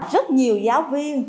rất nhiều giáo viên